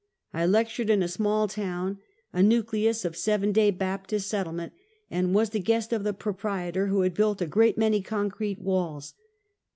I lectured in a small town, a nucleus of a Seven Day Baptist settlement, and was the guest of the proprietor, who had built a great many concrete walls.